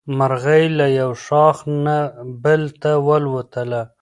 مرغۍ له یو ښاخ نه بل ته والوتله.